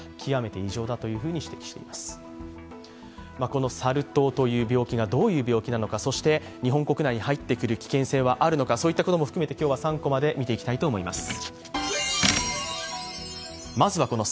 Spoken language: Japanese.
このサル痘という病気がどういう病気なのかそして、日本国内に入ってくる可能性があるのかそういったことも含めて今日は３コマで見ていきたいと思います。